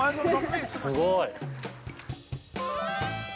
すごーい。